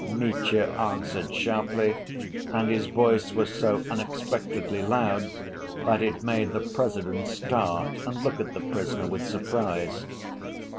Mitya answered sharply, and his voice was so unexpectedly loud that it made the President start and look at the prisoner with surprise.